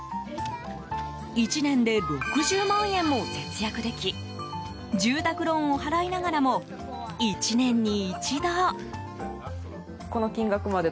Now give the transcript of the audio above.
１年で６０万円も節約でき住宅ローンを払いながらも１年に一度。